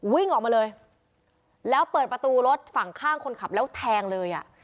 วิ่งออกมาเลยแล้วเปิดประตูรถฝั่งข้างคนขับแล้วแทงเลยอ่ะ